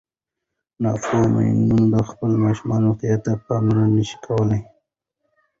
ناپوهه میندې د خپلو ماشومانو روغتیا ته پاملرنه نه شي کولی.